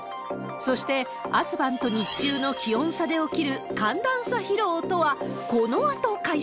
そして、朝晩と日中の気温差で起きる寒暖差疲労とは？